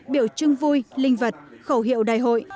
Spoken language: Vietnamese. biểu trưng vui linh vật khẩu hiệu đại hội